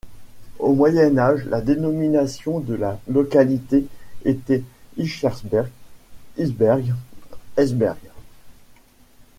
Au Moyen Âge, la dénomination de la localité était Hircesberg, Hirzberch, Hertsberg.